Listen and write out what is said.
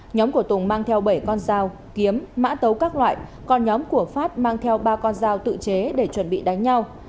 nhóm của tùng mang theo bảy con dao kiếm mã tấu các loại còn nhóm của phát mang theo ba con dao tự chế để chuẩn bị đánh nhau